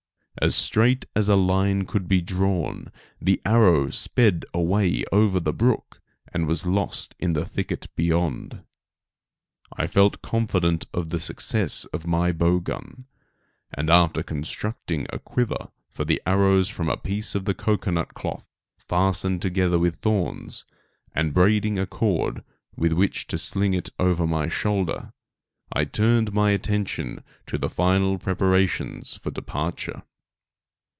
As straight as a line could be drawn, the arrow sped away over the brook and was lost in the thicket beyond. I felt confident of the success of my bow gun, and after constructing a quiver for the arrows from a piece of the cocoanut cloth fastened together with thorns, and braiding a cord with which to sling it over my shoulder, I turned my attention to the final preparations for departure.